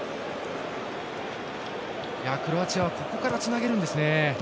クロアチアは、ここからつなげるんですね。